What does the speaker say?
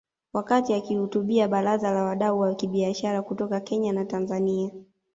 Wakati akihutubia baraza la wadau wa kibiashara kutoka Kenya na Tanzania